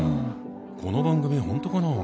この番組本当かな？